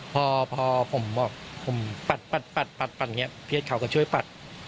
พอผมปัดเขาก็ช่วยปัด